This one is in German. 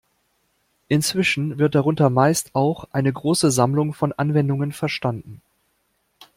Inzwischen wird darunter meist auch eine große Sammlung von Anwendungen verstanden.